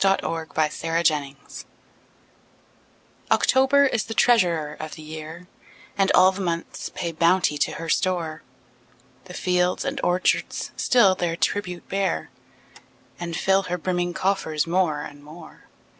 Paul Laurence Dunbar October OCTOBER is the treasurer of the year, And all the months pay bounty to her store: The fields and orchards still their tribute bear, And fill her brimming coffers more and more.